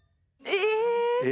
え！